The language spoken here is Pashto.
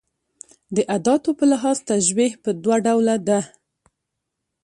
د اداتو په لحاظ تشبېه پر دوه ډوله ده.